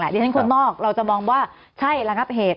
อย่างแหละเดี๋ยวฉะนั้นคนนอกเราจะมองว่าใช่แล้วครับเหตุ